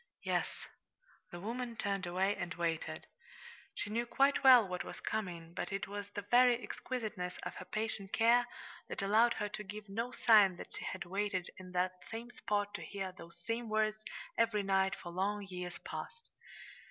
"Yes." The woman turned and waited. She knew quite well what was coming, but it was the very exquisiteness of her patient care that allowed her to give no sign that she had waited in that same spot to hear those same words every night for long years past.